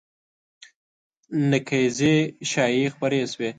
نقیضې شایعې خپرې شوې